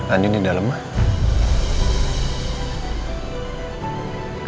andin di dalam mbak